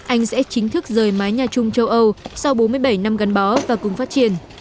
anh sẽ chính thức rời mái nhà chung châu âu sau bốn mươi bảy năm gắn bó và cùng phát triển